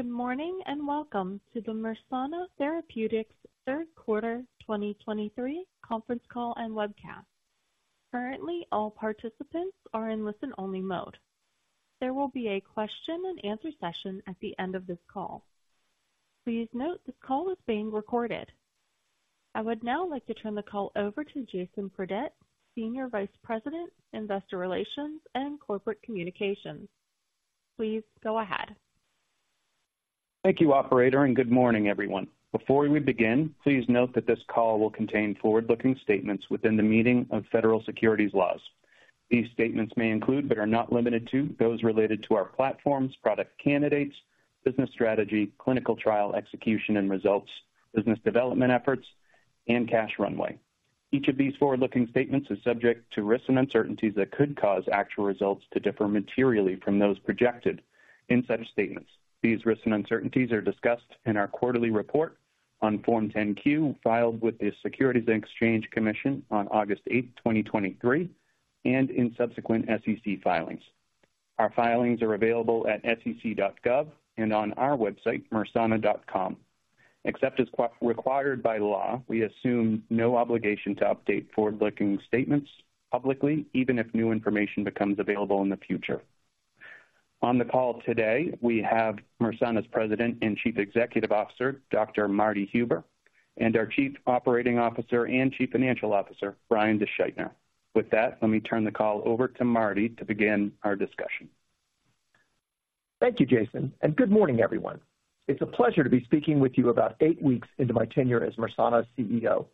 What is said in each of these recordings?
Good morning, and welcome to the Mersana Therapeutics third quarter 2023 conference call and webcast. Currently, all participants are in listen-only mode. There will be a question-and-answer session at the end of this call. Please note this call is being recorded. I would now like to turn the call over to Jason Fredette, Senior Vice President, Investor Relations and Corporate Communications. Please go ahead. Thank you, operator, and good morning, everyone. Before we begin, please note that this call will contain forward-looking statements within the meaning of Federal Securities Laws. These statements may include, but are not limited to, those related to our platforms, product candidates, business strategy, clinical trial, execution and results, business development efforts, and cash runway. Each of these forward-looking statements is subject to risks and uncertainties that could cause actual results to differ materially from those projected in such statements. These risks and uncertainties are discussed in our quarterly report on Form 10-Q, filed with the Securities and Exchange Commission on August 8, 2023, and in subsequent SEC filings. Our filings are available at sec.gov and on our website, Mersana.com. Except as required by law, we assume no obligation to update forward-looking statements publicly, even if new information becomes available in the future. On the call today, we have Mersana's President and Chief Executive Officer, Dr. Marty Huber, and our Chief Operating Officer and Chief Financial Officer, Brian DeSchuytner. With that, let me turn the call over to Martin to begin our discussion. Thank you, Jason, and good morning, everyone. It's a pleasure to be speaking with you about eight weeks into my tenure as Mersana's CEO.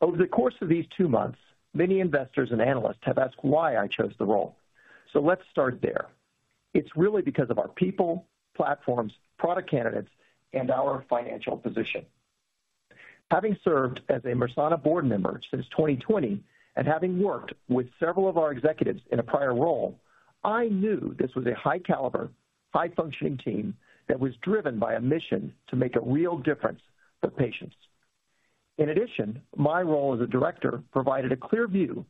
Over the course of these two months, many investors and analysts have asked why I chose the role. So let's start there. It's really because of our people, platforms, product candidates, and our financial position. Having served as a Mersana board member since 2020, and having worked with several of our executives in a prior role, I knew this was a high caliber, high functioning team that was driven by a mission to make a real difference for patients. In addition, my role as a director provided a clear view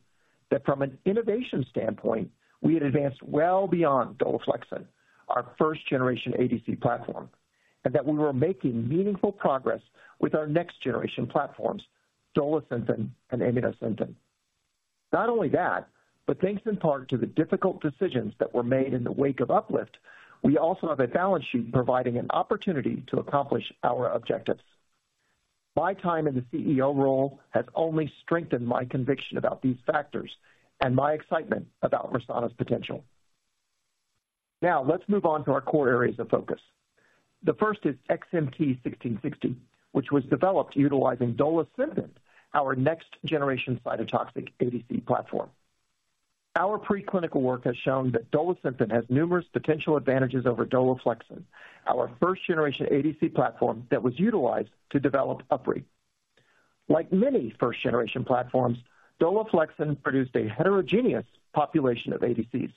that from an innovation standpoint, we had advanced well beyond Dolaflexin, our first generation ADC platform, and that we were making meaningful progress with our next generation platforms, Dolasynthen and Immunosynthen. Not only that, but thanks in part to the difficult decisions that were made in the wake of UPLIFT, we also have a balance sheet providing an opportunity to accomplish our objectives. My time in the CEO role has only strengthened my conviction about these factors and my excitement about Mersana's potential. Now, let's move on to our core areas of focus. The first is XMT-1660, which was developed utilizing Dolasynthen, our next-generation cytotoxic ADC platform. Our preclinical work has shown that Dolasynthen has numerous potential advantages over Dolaflexin, our first-generation ADC platform that was utilized to develop UpRi. Like many first-generation platforms, Dolaflexin produced a heterogeneous population of ADCs.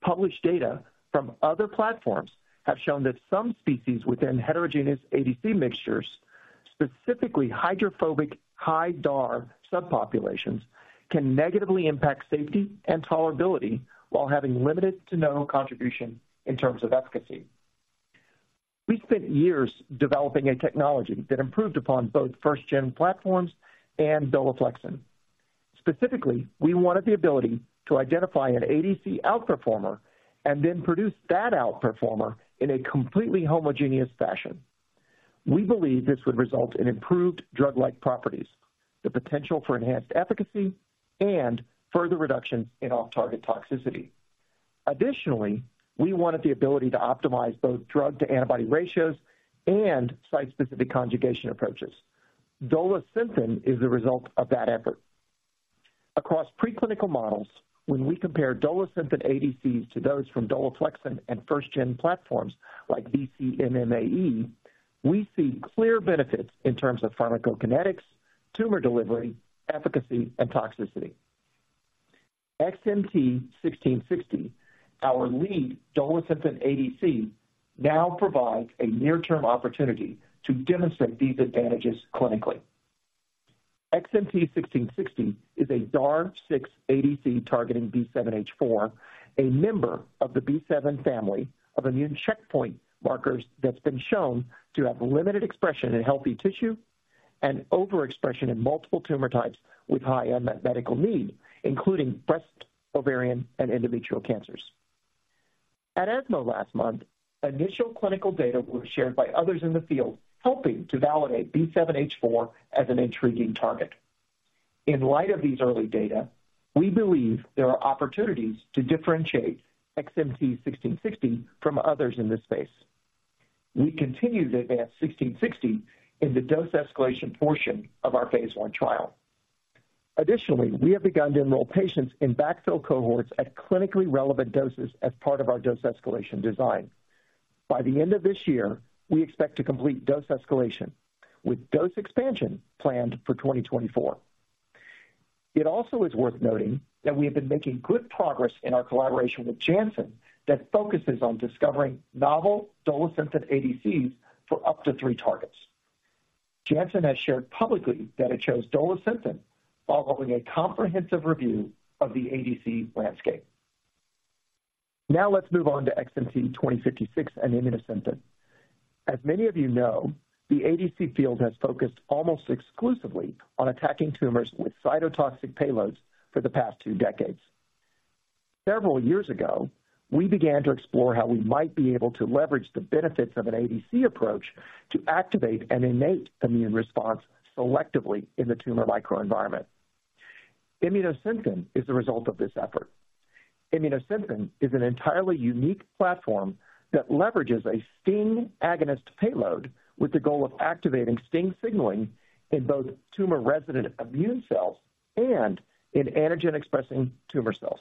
Published data from other platforms have shown that some species within heterogeneous ADC mixtures, specifically hydrophobic high DAR subpopulations, can negatively impact safety and tolerability while having limited to no contribution in terms of efficacy. We spent years developing a technology that improved upon both first-gen platforms and Dolaflexin. Specifically, we wanted the ability to identify an ADC outperformer and then produce that outperformer in a completely homogeneous fashion. We believe this would result in improved drug-like properties, the potential for enhanced efficacy and further reduction in off-target toxicity. Additionally, we wanted the ability to optimize both drug to antibody ratios and site-specific conjugation approaches. Dolasynthen is the result of that effort. Across preclinical models, when we compare Dolasynthen ADCs to those from Dolaflexin and first-gen platforms like vc-MMAE, we see clear benefits in terms of pharmacokinetics, tumor delivery, efficacy, and toxicity. XMT-1660, our lead Dolasynthen ADC, now provides a near-term opportunity to demonstrate these advantages clinically. XMT-1660 is a DAR6 ADC targeting B7-H4, a member of the B7 family of immune checkpoint markers that's been shown to have limited expression in healthy tissue and overexpression in multiple tumor types with high unmet medical need, including breast, ovarian, and endometrial cancers. At ESMO last month, initial clinical data were shared by others in the field, helping to validate B7-H4 as an intriguing target. In light of these early data, we believe there are opportunities to differentiate XMT-1660 from others in this space. We continue to advance 1660 in the dose escalation portion of our phase I trial. Additionally, we have begun to enroll patients in backfill cohorts at clinically relevant doses as part of our dose escalation design. By the end of this year, we expect to complete dose escalation, with dose expansion planned for 2024. It also is worth noting that we have been making good progress in our collaboration with Janssen that focuses on discovering novel Dolasynthen ADCs for up to three targets. Janssen has shared publicly that it chose Dolasynthen following a comprehensive review of the ADC landscape. Now let's move on to XMT-2056 and Immunosynthen. As many of you know, the ADC field has focused almost exclusively on attacking tumors with cytotoxic payloads for the past two decades. Several years ago, we began to explore how we might be able to leverage the benefits of an ADC approach to activate an innate immune response selectively in the tumor microenvironment. Immunosynthen is the result of this effort. Immunosynthen is an entirely unique platform that leverages a STING agonist payload with the goal of activating STING signaling in both tumor-resident immune cells and in antigen-expressing tumor cells.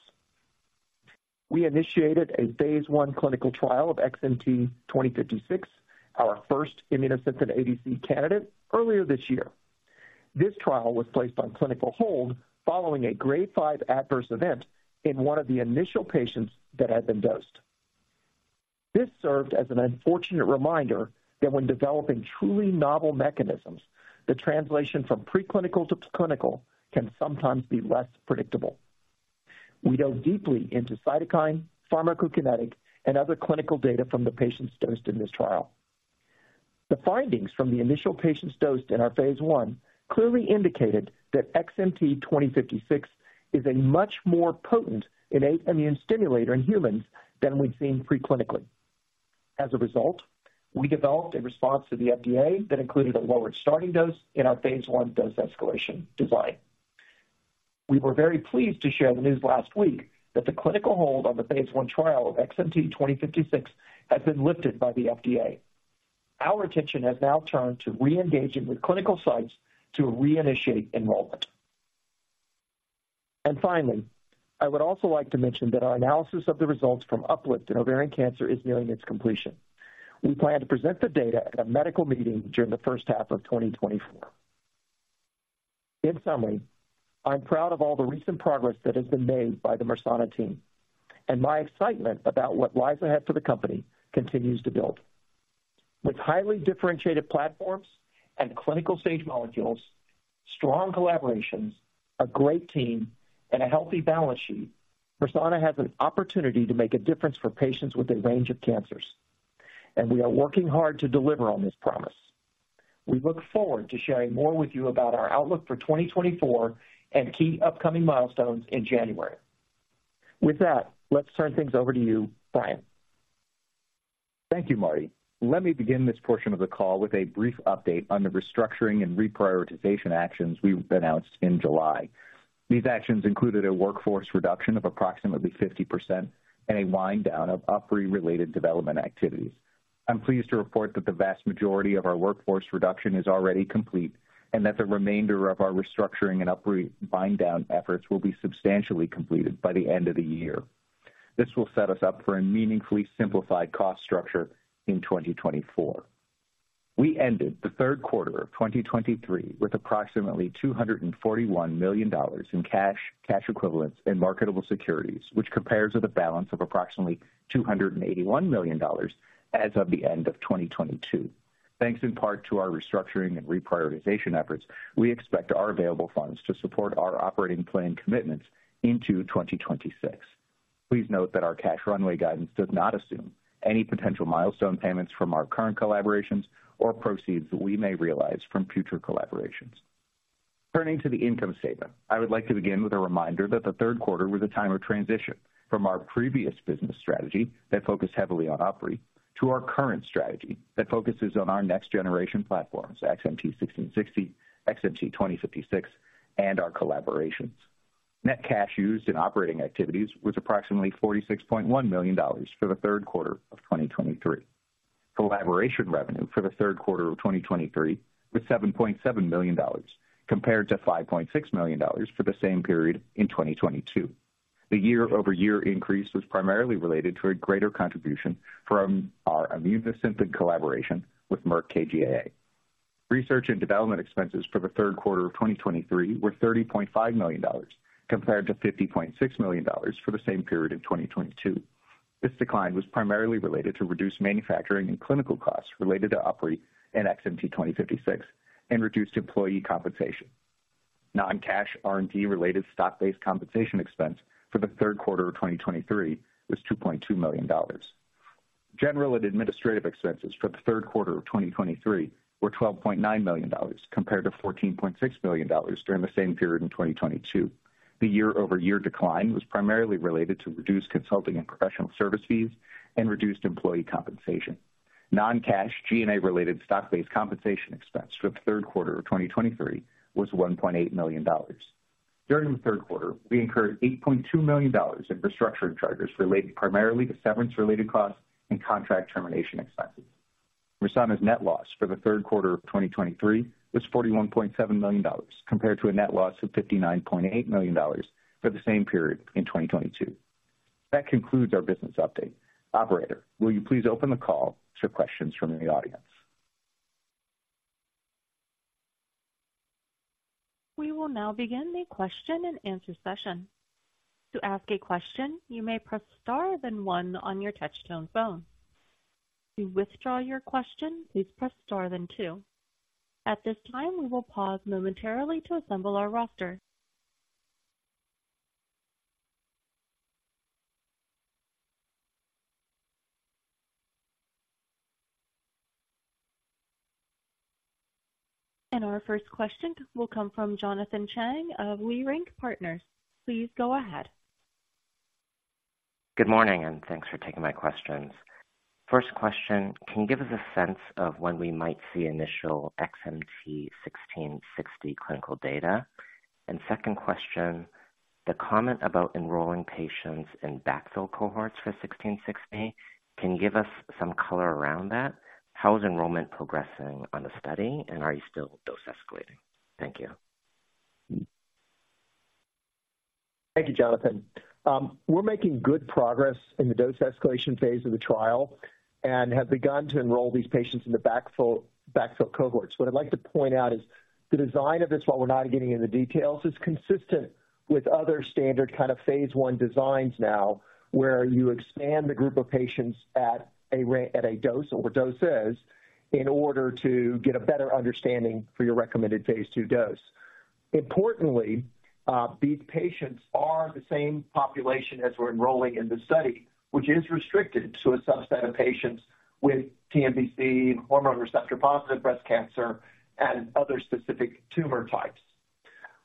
We initiated a phase I clinical trial of XMT-2056, our first Immunosynthen ADC candidate, earlier this year. This trial was placed on clinical hold following a Grade 5 adverse event in one of the initial patients that had been dosed. This served as an unfortunate reminder that when developing truly novel mechanisms, the translation from preclinical to clinical can sometimes be less predictable. We dove deeply into cytokine, pharmacokinetic, and other clinical data from the patients dosed in this trial. The findings from the initial patients dosed in our phase I clearly indicated that XMT-2056 is a much more potent innate immune stimulator in humans than we'd seen preclinically. As a result, we developed a response to the FDA that included a lowered starting dose in our phase I dose escalation design. We were very pleased to share the news last week that the clinical hold on the phase I trial of XMT-2056 has been lifted by the FDA. Our attention has now turned to re-engaging with clinical sites to reinitiate enrollment. Finally, I would also like to mention that our analysis of the results from UPLIFT in ovarian cancer is nearing its completion. We plan to present the data at a medical meeting during the first half of 2024. In summary, I'm proud of all the recent progress that has been made by the Mersana team, and my excitement about what lies ahead for the company continues to build. With highly differentiated platforms and clinical stage molecules, strong collaborations, a great team, and a healthy balance sheet, Mersana has an opportunity to make a difference for patients with a range of cancers, and we are working hard to deliver on this promise. We look forward to sharing more with you about our outlook for 2024 and key upcoming milestones in January. With that, let's turn things over to you, Brian. Thank you, Martin. Let me begin this portion of the call with a brief update on the restructuring and reprioritization actions we've announced in July. These actions included a workforce reduction of approximately 50% and a wind down of UpRi-related development activities. I'm pleased to report that the vast majority of our workforce reduction is already complete and that the remainder of our restructuring and UpRi wind down efforts will be substantially completed by the end of the year. This will set us up for a meaningfully simplified cost structure in 2024. We ended the third quarter of 2023 with approximately $241 million in cash, cash equivalents, and marketable securities, which compares with a balance of approximately $281 million as of the end of 2022. Thanks in part to our restructuring and reprioritization efforts, we expect our available funds to support our operating plan commitments into 2026. Please note that our cash runway guidance does not assume any potential milestone payments from our current collaborations or proceeds that we may realize from future collaborations. Turning to the income statement, I would like to begin with a reminder that the third quarter was a time of transition from our previous business strategy that focused heavily on UpRi, to our current strategy that focuses on our next generation platforms, XMT-1660, XMT-2056, and our collaborations. Net cash used in operating activities was approximately $46.1 million for the third quarter of 2023. Collaboration revenue for the third quarter of 2023 was $7.7 million, compared to $5.6 million for the same period in 2022. The year-over-year increase was primarily related to a greater contribution from our Immunosynthen collaboration with Merck KGaA. Research and development expenses for the third quarter of 2023 were $30.5 million, compared to $50.6 million for the same period in 2022. This decline was primarily related to reduced manufacturing and clinical costs related to UpRi and XMT-2056 and reduced employee compensation. Non-cash R&D-related stock-based compensation expense for the third quarter of 2023 was $2.2 million. General and administrative expenses for the third quarter of 2023 were $12.9 million, compared to $14.6 million during the same period in 2022. The year-over-year decline was primarily related to reduced consulting and professional service fees and reduced employee compensation. Non-cash G&A-related stock-based compensation expense for the third quarter of 2023 was $1.8 million. During the third quarter, we incurred $8.2 million in restructuring charges related primarily to severance-related costs and contract termination expenses. Mersana's net loss for the third quarter of 2023 was $41.7 million, compared to a net loss of $59.8 million for the same period in 2022. That concludes our business update. Operator, will you please open the call to questions from the audience? We will now begin the question-and-answer session. To ask a question, you may press star then one on your touchtone phone. To withdraw your question, please press star then two. At this time, we will pause momentarily to assemble our roster. Our first question will come from Jonathan Chang of Leerink Partners. Please go ahead. Good morning, and thanks for taking my questions. First question, can you give us a sense of when we might see initial XMT-1660 clinical data? And second question, the comment about enrolling patients in backfill cohorts for 1660, can you give us some color around that? How is enrollment progressing on the study, and are you still dose escalating? Thank you. Thank you, Jonathan. We're making good progress in the dose escalation phase of the trial and have begun to enroll these patients in the backfill cohorts. What I'd like to point out is the design of this, while we're not getting into details, is consistent with other standard kind of phase I designs now, where you expand the group of patients at a dose or doses in order to get a better understanding for your recommended phase II dose. Importantly, these patients are the same population as we're enrolling in the study, which is restricted to a subset of patients with TNBC, hormone receptor-positive breast cancer, and other specific tumor types.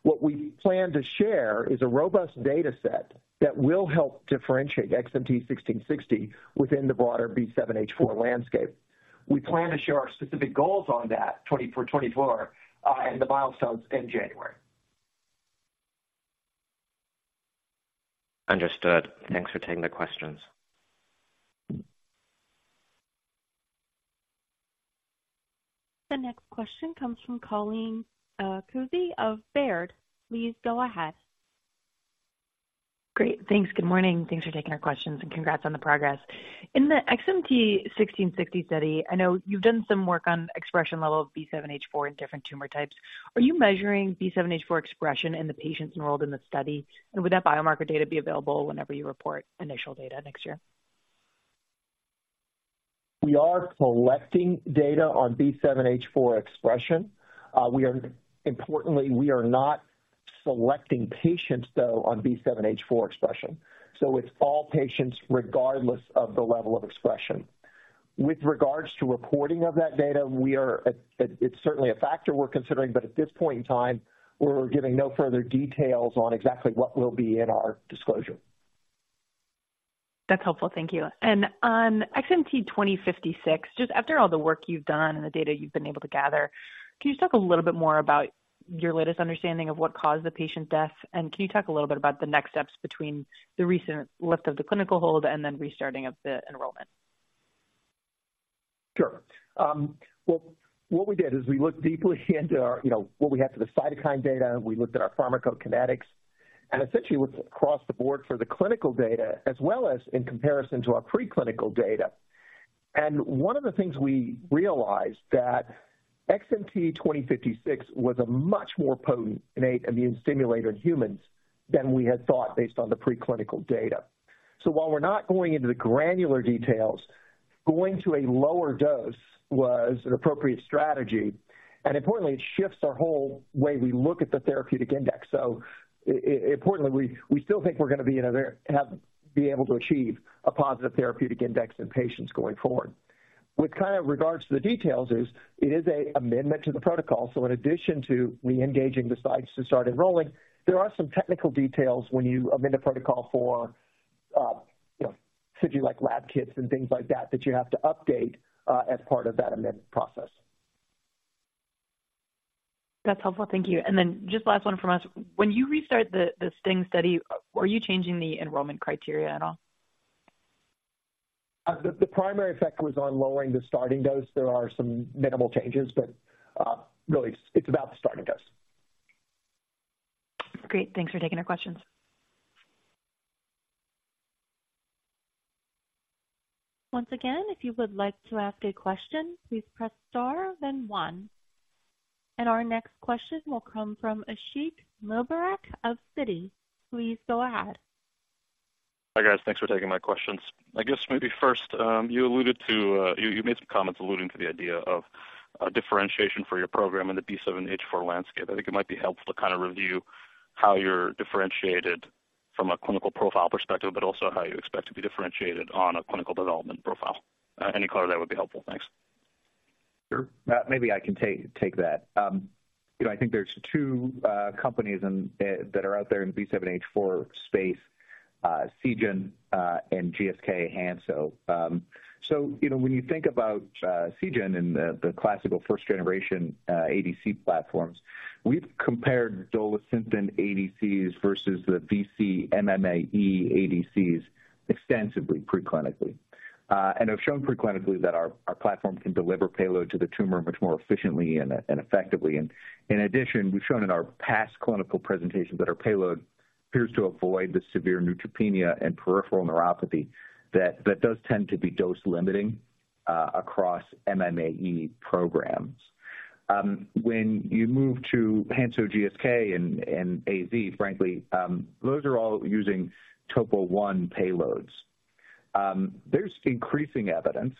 What we plan to share is a robust data set that will help differentiate XMT-1660 within the broader B7-H4 landscape. We plan to share our specific goals on that for 2024, and the milestones in January. Understood. Thanks for taking the questions. The next question comes from Colleen Kusy of Baird. Please go ahead. Great. Thanks. Good morning. Thanks for taking our questions, and congrats on the progress. In the XMT-1660 study, I know you've done some work on expression level of B7-H4 in different tumor types. Are you measuring B7-H4 expression in the patients enrolled in the study? And would that biomarker data be available whenever you report initial data next year? We are selecting data on B7-H4 expression. Importantly, we are not selecting patients, though, on B7-H4 expression, so it's all patients, regardless of the level of expression. With regards to reporting of that data, it's certainly a factor we're considering, but at this point in time, we're giving no further details on exactly what will be in our disclosure. That's helpful. Thank you. And on XMT-2056, just after all the work you've done and the data you've been able to gather, can you talk a little bit more about your latest understanding of what caused the patient death? And can you talk a little bit about the next steps between the recent lift of the clinical hold and then restarting of the enrollment? Sure. Well, what we did is we looked deeply into our, you know, what we had for the cytokine data. We looked at our pharmacokinetics and essentially looked across the board for the clinical data, as well as in comparison to our preclinical data. One of the things we realized that XMT-2056 was a much more potent innate immune stimulator in humans than we had thought based on the preclinical data. While we're not going into the granular details, going to a lower dose was an appropriate strategy, and importantly, it shifts our whole way we look at the therapeutic index. Importantly, we still think we're going to be able to achieve a positive therapeutic index in patients going forward. With kind of regards to the details, it is an amendment to the protocol, so in addition to reengaging the sites to start enrolling, there are some technical details when you amend a protocol for, you know, things like lab kits and things like that, that you have to update, as part of that amendment process. That's helpful. Thank you. And then just last one from us. When you restart the STING study, are you changing the enrollment criteria at all? The primary effect was on lowering the starting dose. There are some minimal changes, but really it's about the starting dose. Great. Thanks for taking our questions. Once again, if you would like to ask a question, please press star then one. Our next question will come from Ashiq Mubarack of Citi. Please go ahead. Hi, guys. Thanks for taking my questions. I guess maybe first, you alluded to, you made some comments alluding to the idea of a differentiation for your program in the B7-H4 landscape. I think it might be helpful to kind of review how you're differentiated from a clinical profile perspective, but also how you expect to be differentiated on a clinical development profile. Any color that would be helpful. Thanks. Sure. Maybe I can take that. You know, I think there's two companies in that are out there in the B7-H4 space, Seagen and GSK and Hansoh. So, you know, when you think about Seagen and the classical first-generation ADC platforms, we've compared Dolasynthen ADCs versus the vc-MMAE ADCs extensively preclinically. And have shown preclinically that our platform can deliver payload to the tumor much more efficiently and effectively. And in addition, we've shown in our past clinical presentations that our payload appears to avoid the severe neutropenia and peripheral neuropathy that does tend to be dose limiting, across MMAE programs. When you move to Hansoh and GSK, and AZ, frankly, those are all using TOPO-I payloads. There's increasing evidence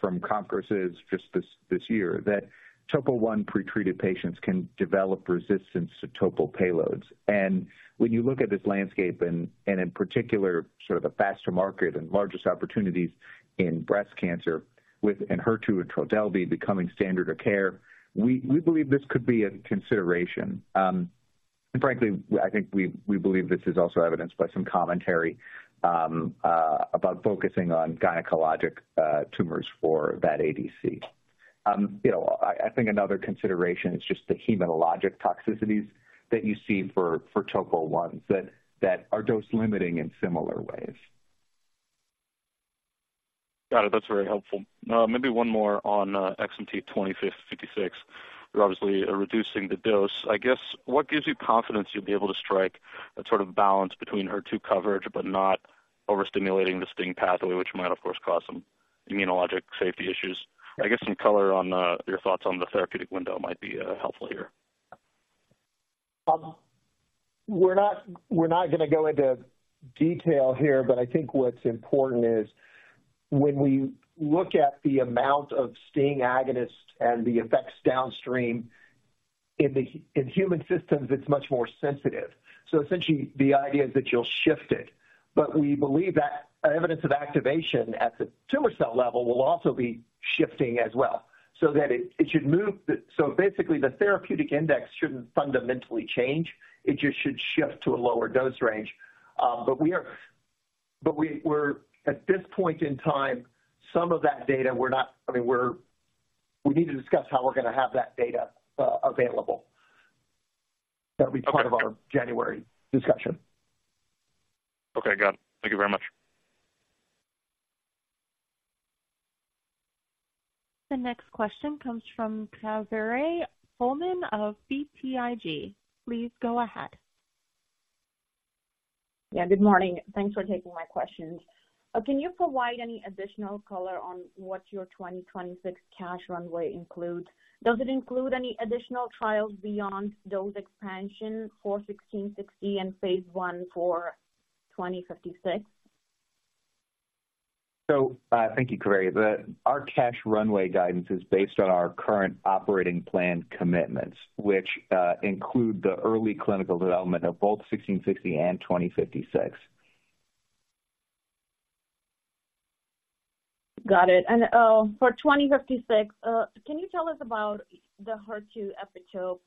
from conferences just this year that TOPO-I pretreated patients can develop resistance to TOPO-I payloads. And when you look at this landscape and in particular sort of the faster market and largest opportunities in breast cancer with HER2 and Trodelvy becoming standard of care, we believe this could be a consideration. And frankly, I think we believe this is also evidenced by some commentary about focusing on gynecologic tumors for that ADC. You know, I think another consideration is just the hematologic toxicities that you see for TOPO-I's that are dose-limiting in similar ways. Got it. That's very helpful. Maybe one more on XMT-2056. You're obviously reducing the dose. I guess, what gives you confidence you'll be able to strike a sort of balance between HER2 coverage, but not overstimulating the STING pathway, which might of course cause some immunologic safety issues? I guess some color on your thoughts on the therapeutic window might be helpful here. We're not, we're not gonna go into detail here, but I think what's important is, when we look at the amount of STING agonist and the effects downstream, in human systems, it's much more sensitive. So essentially, the idea is that you'll shift it, but we believe that evidence of activation at the tumor cell level will also be shifting as well, so that it should move the, so basically, the therapeutic index shouldn't fundamentally change. It just should shift to a lower dose range. But we're at this point in time, some of that data, I mean, we need to discuss how we're gonna have that data available. That'll be part of our January discussion. Okay, got it. Thank you very much. The next question comes from Kaveri Pohlman of BTIG. Please go ahead. Yeah, good morning. Thanks for taking my questions. Can you provide any additional color on what your 2026 cash runway includes? Does it include any additional trials beyond dose expansion for 1660 and phase I for 2056? So, thank you, Kaveri. Our cash runway guidance is based on our current operating plan commitments, which include the early clinical development of both 1660 and 2056. Got it. And for 2056, can you tell us about the HER2 epitope,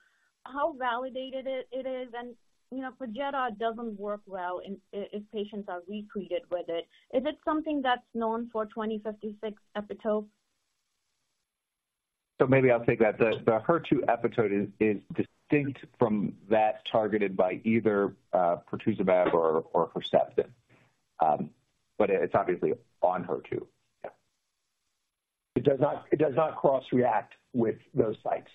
how validated it is? And, you know, Perjeta doesn't work well if patients are re-treated with it. Is it something that's known for 2056 epitopes? So maybe I'll take that. The HER2 epitope is distinct from that targeted by either pertuzumab or Herceptin. But it's obviously on HER2. Yeah. It does not, it does not cross-react with those sites.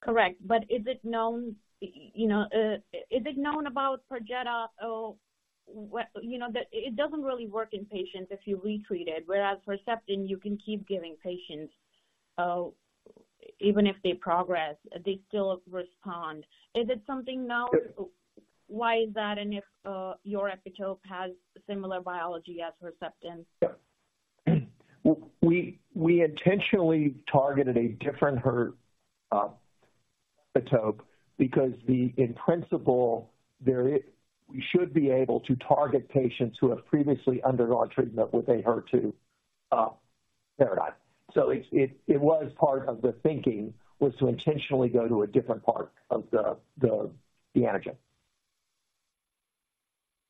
Correct. But is it known, you know, is it known about Perjeta or what, you know, that it doesn't really work in patients if you re-treat it, whereas Herceptin, you can keep giving patients, even if they progress, they still respond. Is it something known? Why is that, and if your epitope has similar biology as Herceptin? Yeah. Well, we intentionally targeted a different HER epitope, because in principle, we should be able to target patients who have previously undergone treatment with a HER2 paradigm. So it was part of the thinking, was to intentionally go to a different part of the antigen.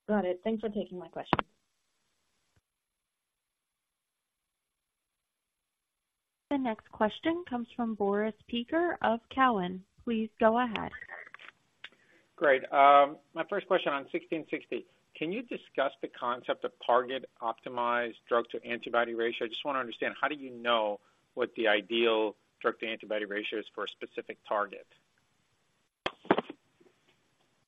Got it. Thanks for taking my question. The next question comes from Boris Peaker of Cowen. Please go ahead. Great. My first question on 1660. Can you discuss the concept of target optimized drug to antibody ratio? I just want to understand, how do you know what the ideal drug to antibody ratio is for a specific target?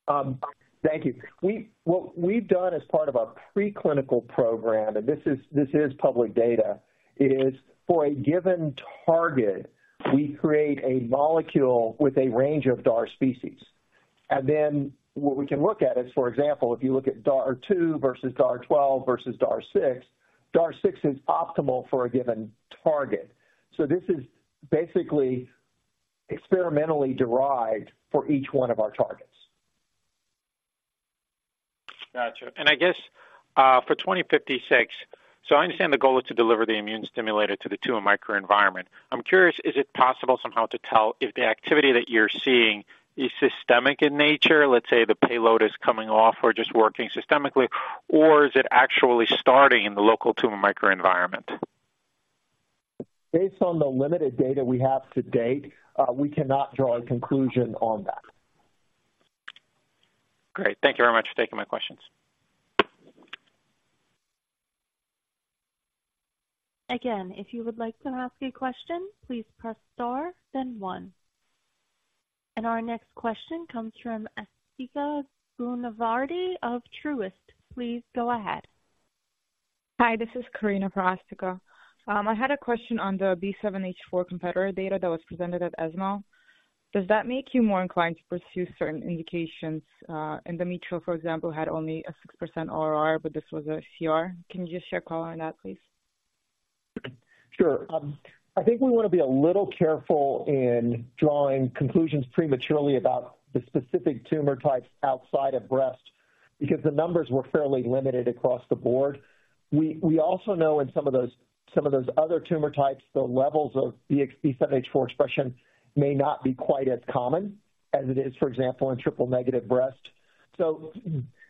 Thank you. What we've done as part of our preclinical program, and this is, this is public data, is for a given target, we create a molecule with a range of DAR species. And then what we can look at is, for example, if you look at DAR-2 versus DAR-12 versus DAR-6, DAR-6 is optimal for a given target. So this is basically experimentally derived for each one of our targets. Gotcha. I guess, for 2056, so I understand the goal is to deliver the immune stimulator to the tumor microenvironment. I'm curious, is it possible somehow to tell if the activity that you're seeing is systemic in nature? Let's say the payload is coming off or just working systemically, or is it actually starting in the local tumor microenvironment? Based on the limited data we have to date, we cannot draw a conclusion on that. Great. Thank you very much for taking my questions. Again, if you would like to ask a question, please press star, then one... Our next question comes from Asthika Goonewardene of Truist. Please go ahead. Hi, this is Karina for Asthika. I had a question on the B7-H4 competitor data that was presented at ESMO. Does that make you more inclined to pursue certain indications? Endometrial, for example, had only a 6% RR, but this was a CR. Can you just share color on that, please? Sure. I think we want to be a little careful in drawing conclusions prematurely about the specific tumor types outside of breast, because the numbers were fairly limited across the board. We also know in some of those other tumor types, the levels of B7-H4 expression may not be quite as common as it is, for example, in triple-negative breast. So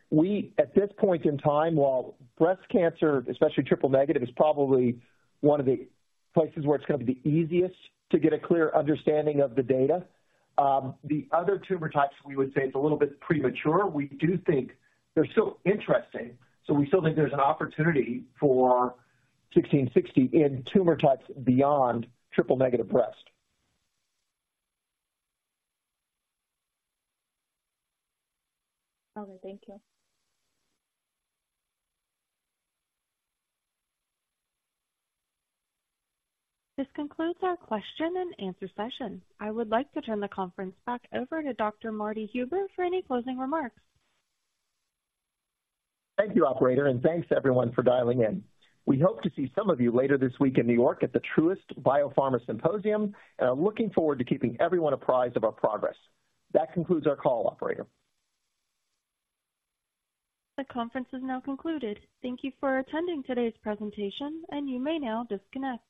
we, at this point in time, while breast cancer, especially triple-negative, is probably one of the places where it's going to be the easiest to get a clear understanding of the data, the other tumor types, we would say, it's a little bit premature. We do think they're still interesting, so we still think there's an opportunity for 1660 in tumor types beyond triple-negative breast. Okay, thank you. This concludes our question-and-answer session. I would like to turn the conference back over to Dr. Marty Huber for any closing remarks. Thank you, operator, and thanks everyone for dialing in. We hope to see some of you later this week in New York at the Truist Biopharma Symposium, and I'm looking forward to keeping everyone apprised of our progress. That concludes our call, operator. The conference is now concluded. Thank you for attending today's presentation, and you may now disconnect.